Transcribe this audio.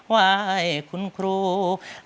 ไหว้คุณครู